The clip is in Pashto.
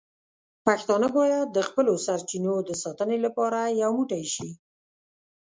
پښتانه باید د خپلو سرچینو د ساتنې لپاره یو موټی شي.